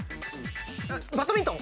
バドミントン。